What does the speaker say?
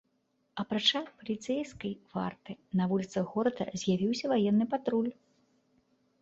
Апрача паліцэйскай варты, на вуліцах горада з'явіўся ваенны патруль.